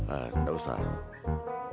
ah gak usah